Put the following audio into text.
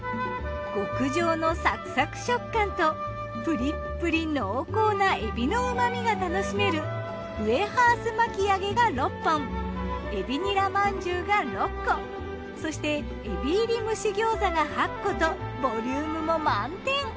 極上のサクサク食感とプリプリ濃厚な海老の旨味が楽しめるウエハース巻き揚げが６本海老ニラまんじゅうが６個そして海老入り蒸し餃子が８個とボリュームも満点。